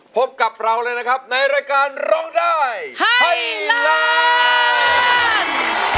พบกับเราเลยนะครับในรายการร้องได้ให้ล้าน